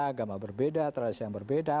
agama berbeda tradisi yang berbeda